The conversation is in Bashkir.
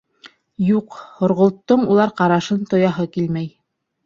Юҡ, һорғолттоң улар ҡарашын тояһы килмәй.